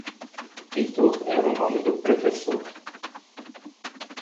Heitor era o nome do prefessor.